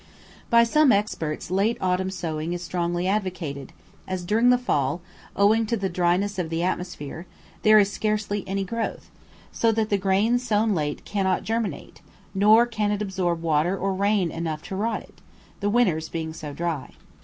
By some experts late autumn sowing is strongly advocated, as, during the fall, owing to the dryness of the atmosphere, there is scarcely any growth; so that the grain sown late cannot germinate, nor can it absorb water or rain enough to rot it, the winters being so dry.